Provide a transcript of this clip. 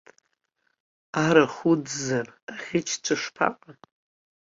Арахә ыӡзар, аӷьычцәа шԥаҟам!